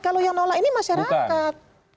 kalau yang nolak ini masyarakat